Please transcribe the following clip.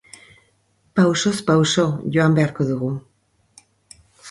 Pausoz pauso joan beharko dugu.